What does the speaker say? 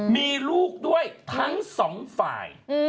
มีลูกด้วยทั้งสองฝ่าย